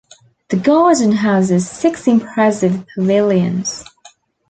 The garden houses six impressive pavilions.